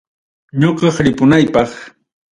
Ñoqay ripunaypaq.